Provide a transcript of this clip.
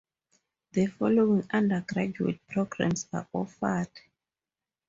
The following undergraduate programmes are offered.